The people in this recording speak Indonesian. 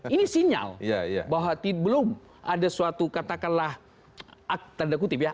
ini sinyal bahwa belum ada suatu katakanlah tanda kutip ya